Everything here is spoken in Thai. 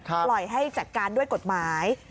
ปล่อยให้จัดการด้วยกฎหมาย